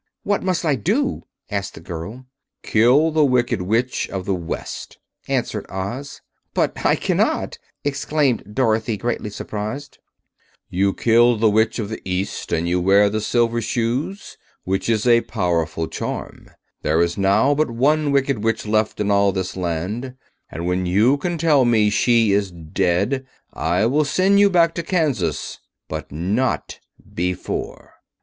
"What must I do?" asked the girl. "Kill the Wicked Witch of the West," answered Oz. "But I cannot!" exclaimed Dorothy, greatly surprised. "You killed the Witch of the East and you wear the silver shoes, which bear a powerful charm. There is now but one Wicked Witch left in all this land, and when you can tell me she is dead I will send you back to Kansas—but not before."